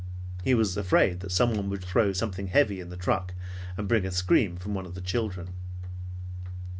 He was afraid that someone would throw something heavy in the truck, and bring a scream, from one of the children.